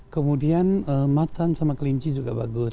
kemudian macan sama kelinci juga bagus